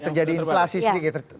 terjadi inflasi sedikit ya